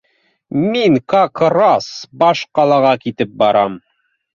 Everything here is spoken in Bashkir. Мин как раз баш ҡалаға китеп барам.